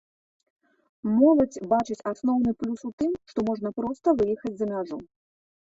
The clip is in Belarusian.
Моладзь бачыць асноўны плюс у тым, што можна проста выехаць за мяжу.